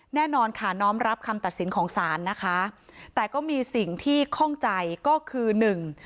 แน่นอนค่ะน้อมรับคำตัดสินของศาลนะคะแต่ก็มีสิ่งที่ข้องใจก็คือหนึ่ง